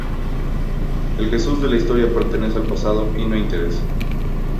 El Jesús de la historia pertenece al pasado y no interesa.